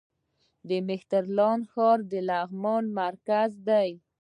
د مهترلام ښار د لغمان مرکز دی